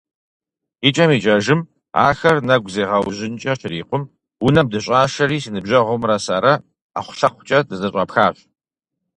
ИкӀэм-икӀэжым, ахэр нэгу зегъэужьынкӀэ щрикъум, унэм дыщӀашэри, си ныбжьэгъумрэ сэрэ ӀэхъулъэхъукӀэ дызэщӀапхащ.